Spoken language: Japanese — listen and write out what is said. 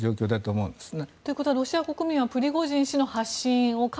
そうなんですね。